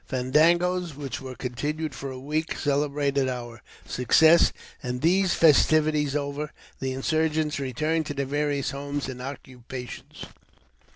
Fandangoes, which were continued for a week, celebrated our success ; and these festivities over, the insurgents returned to their various homes and occupations.